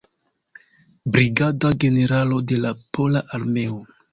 Brigada generalo de la Pola Armeo.